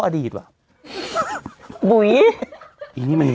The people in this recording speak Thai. ฟังลูกครับ